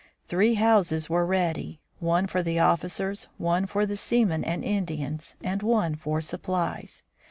Three houses were ready, one for the officers, one for the seamen and Indians, and one for supplies.